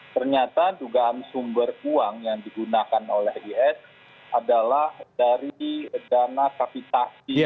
ternyata dugaan sumber uang yang digunakan oleh is adalah dari dana kapitasi